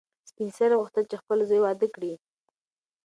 سپین سرې غوښتل چې خپل زوی واده کړي.